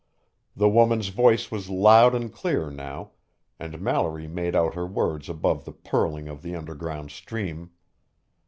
The woman's voice was loud and clear now, and Mallory made out her words above the purling of the underground stream